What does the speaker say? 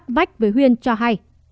chị ktzt bắt vách với huyên cho hay